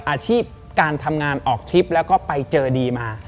อาชีพการทำงานออกทริปแล้วก็ไปเจอดีมา